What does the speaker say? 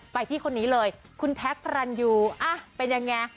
ไปที่คนนี้เลยคุณแท็กพระรันยูเป็นยังไง